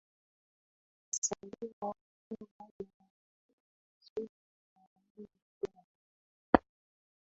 esabiwa kwa kura inaendelea vizuri tunaamini kuwa